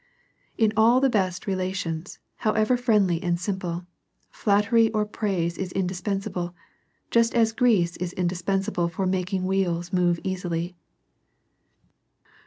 In all the best relations, however friendly and simple, flat tery or praise is indispensable, just as grease is indispensable for making wheels move easily.